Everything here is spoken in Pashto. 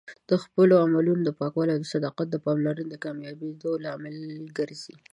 د خپلو عملونو پاکوالی او د صداقت پاملرنه د کامیابۍ لامل ګرځي.